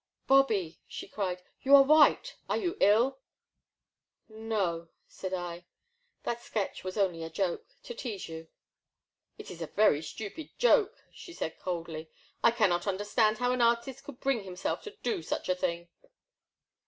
" Bobby," she cried, " you are white — are you ill?" No," said I, that sketch was only a joke, — to tease you." *' It is a very stupid joke," she said coldly; " I 158 The Black Water. cannot understand how an artist could bring him self to do such a thing."